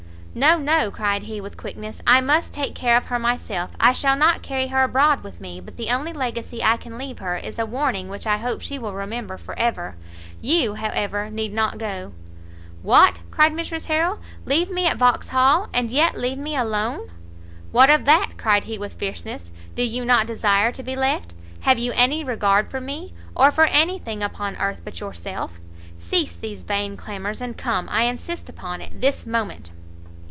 "No, no," cried he, with quickness, "I must take care of her myself. I shall not carry her abroad with me, but the only legacy I can leave her, is a warning which I hope she will remember for ever. You, however, need not go." "What," cried Mrs Harrel, "leave me at Vauxhall, and yet leave me alone?" "What of that?" cried he with fierceness, "do you not desire to be left? have you any regard for me? or for any thing upon earth but yourself! cease these vain clamours, and come, I insist upon it, this moment."